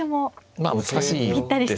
まあ難しいですね。